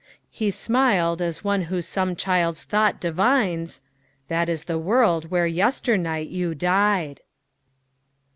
He smiled as one who some child's thought divines: "That is the world where yesternight you died."